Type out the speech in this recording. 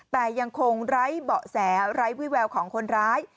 แต่ยังคงไร้เบาะแสไร้วิแววของคนร้าย